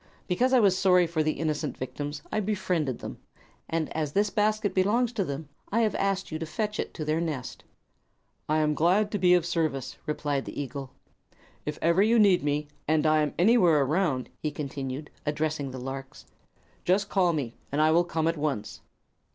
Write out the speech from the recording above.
Because I was sorry for the innocent victims I befriended them, and as this basket belongs to them I have asked you to fetch it to their nest." "I am glad to be of service," replied the eagle. "If ever you need me, and I am anywhere around," he continued, addressing the larks, "just call me, and I will come at once."